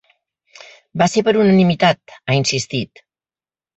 Va ser per unanimitat, ha insistit.